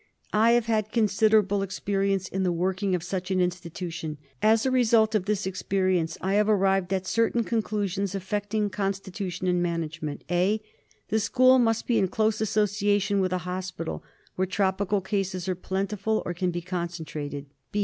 I have had considerable experience in the working of such an institution. As a result of this experience, I have arrived at certain conclusions affecting constitution and management. (a) The school must be in close association with a hospital where tropical cases are plentiful, or can be concentrated.